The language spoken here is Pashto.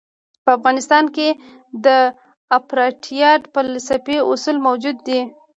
په افغانستان کې د اپارټایډ فلسفي اصول موجود دي.